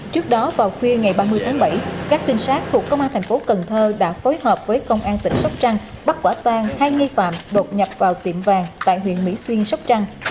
trước đó vào khuya ngày ba mươi tháng bảy các tin sát thuộc công an thành phố cần thơ đã phối hợp với công an tỉnh sóc trăng bắt quả tang hai nghi phạm đột nhập vào tiệm vàng tại huyện mỹ xuyên sóc trăng